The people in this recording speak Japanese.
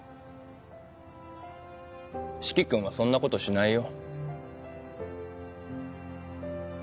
四鬼君はそんなことしないよ。